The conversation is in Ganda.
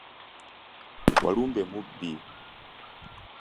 Walumbe mubbi!